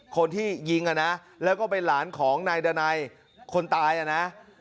คนที่ยิงอ่ะนะแล้วก็เป็นหลานของนายดานัยคนตายอ่ะนะ